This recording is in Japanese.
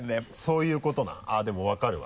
そういうことなでも分かるわ。